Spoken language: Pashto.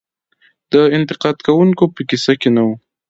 د انتقاد کوونکو په قصه کې نه وي .